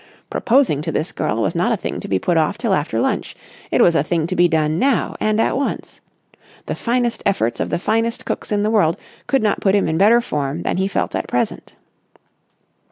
Proposing to this girl was not a thing to be put off till after lunch. It was a thing to be done now and at once. The finest efforts of the finest cooks in the world could not put him in better form than he felt at present.